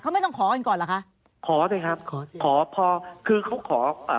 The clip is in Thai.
เขาไม่ต้องขอกันก่อนเหรอคะขอเถอะครับขอขอพอคือเขาขออ่า